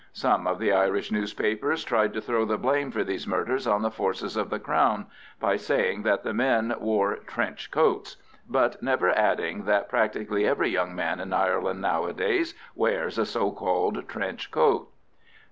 Some of the Irish newspapers tried to throw the blame for these murders on the forces of the Crown by saying that the men wore "trench coats," but never adding that practically every young man in Ireland nowadays wears a so called trench coat.